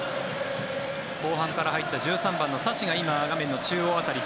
後半から入った１３番のサシが今、画面の中央辺り。